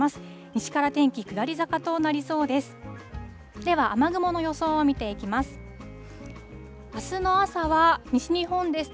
西から天気、下り坂となりそうです。